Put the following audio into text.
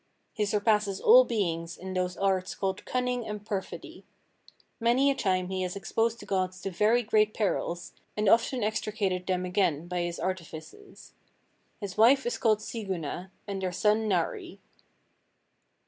He surpasses all beings in those arts called Cunning and Perfidy. Many a time has he exposed the gods to very great perils, and often extricated them again by his artifices. His wife is called Siguna, and their son Nari.